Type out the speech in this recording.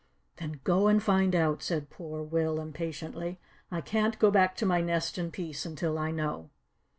"Then go and find out," said Poor Will impatiently. "I can't go back to my nest in peace until I know."